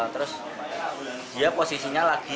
terus dia posisinya langsung